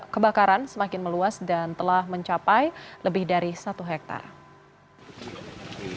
kebakaran semakin meluas dan telah mencapai lebih dari satu hektare